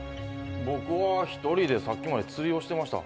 僕は１人で、さっきまで釣りをしていました。